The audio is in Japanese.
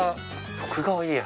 徳川家康？